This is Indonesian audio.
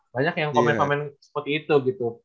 banyak yang komen komen seperti itu gitu